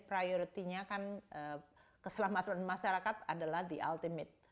priority nya kan keselamatan masyarakat adalah di ultimate